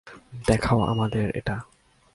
দেখাও আমাদের এটা।